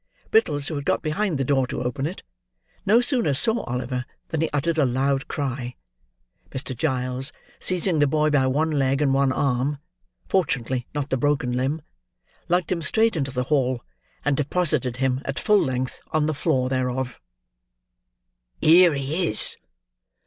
Brittles, who had got behind the door to open it, no sooner saw Oliver, than he uttered a loud cry. Mr. Giles, seizing the boy by one leg and one arm (fortunately not the broken limb) lugged him straight into the hall, and deposited him at full length on the floor thereof. "Here he is!"